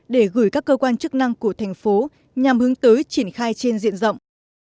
để gửi các cơ quan chức năng của thành phố nhằm hướng tới triển khai trên diện rộng